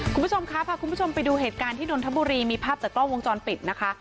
คุณผู้ชมคะพาคุณผู้ชมไปดูเหตุการณ์ที่นนทบุรีมีภาพจากกล้องวงจรปิดนะคะ